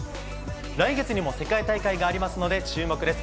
来月にも世界大会がありますので、注目です。